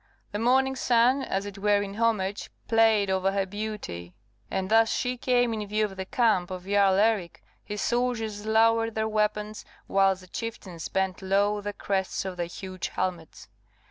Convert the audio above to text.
The morning sun, as it were in homage, played over her beauty; and as she came in view of the camp of Jarl Eric, his soldiers lowered their weapons, whilst the chieftains bent low the crests of their huge helmets.